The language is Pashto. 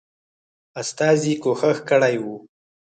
استازي کوښښ کړی وو.